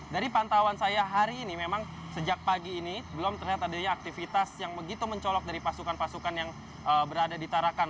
dari pantauan saya hari ini memang sejak pagi ini belum terlihat adanya aktivitas yang begitu mencolok dari pasukan pasukan yang berada di tarakan